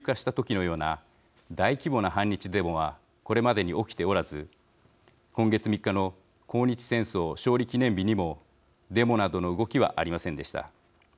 実際、日本政府が沖縄県の尖閣諸島を国有化した時のような大規模な反日デモはこれまでに起きておらず今月３日の抗日戦争勝利記念日にもデモなどの動きはありませんでした。